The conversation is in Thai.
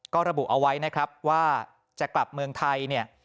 ก็ระบุเอาไว้นะครับว่าจะกลับเมืองไทยเนี่ย